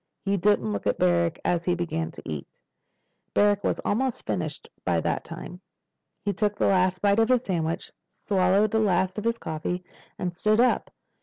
He didn't look at Barrack as he began to eat. Barrack was almost finished by that time. He took the last bite of his sandwich, swallowed the last of his coffee, and stood up.